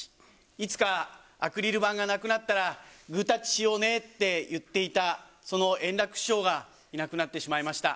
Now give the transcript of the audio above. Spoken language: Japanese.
いつかアクリル板がなくなったら、グータッチしようねって言っていた、その円楽師匠がいなくなってしまいました。